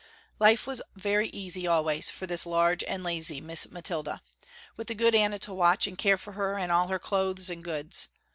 Life was very easy always for this large and lazy Miss Mathilda, with the good Anna to watch and care for her and all her clothes and goods.